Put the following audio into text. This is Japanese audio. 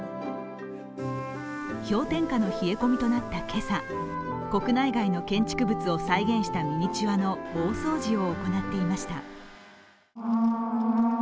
氷点下の冷え込みとなった今朝、国内外の建築物を再現したミニチュアの大掃除を行っていました。